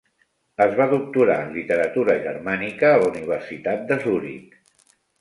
Es va doctorar en literatura germànica a la Universitat de Zurich.